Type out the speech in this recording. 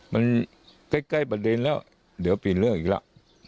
มันใกล้ประเด็นแล้วเดี๋ยวเปลี่ยนเรื่องอีกแล้ว